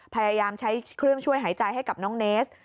พยายามใช้เครื่องช่วยหายใจให้กับน้องเนส